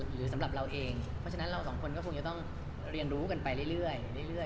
หรือสำหรับเราเองเพราะฉะนั้นเราสองคนก็คงจะต้องเรียนรู้กันไปเรื่อย